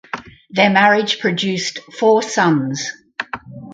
Their marriage produced four sons.